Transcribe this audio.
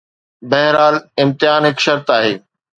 بهرحال، امتحان هڪ شرط آهي.